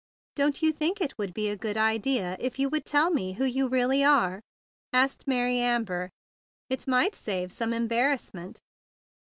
"Don't you think it would be a good idea if you would tell me who you really are?" asked Mary Amber. "It might save some embarrassment."